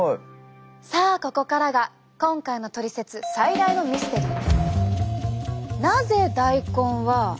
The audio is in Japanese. さあここからが今回のトリセツ最大のミステリー。